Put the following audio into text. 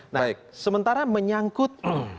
nah sementara menyangkut